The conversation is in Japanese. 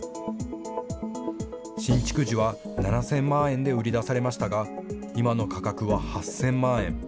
新築時は７０００万円で売り出されましたが、今の価格は８０００万円。